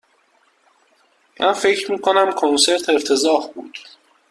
من فکر می کنم کنسرت افتضاح بود.